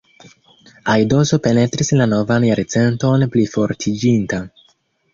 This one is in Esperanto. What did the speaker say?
Aidoso penetris la novan jarcenton plifortiĝinta.